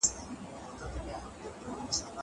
زه موسيقي نه اورم!!